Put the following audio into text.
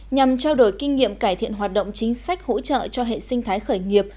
nhằm trao đổi kinh nghiệm cải thiện hoạt động chính sách hỗ trợ cho hệ sinh thái khởi nghiệp